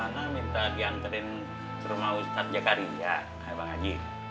jadi rona minta diantarin ke rumah ustadz zakaria kan bang haji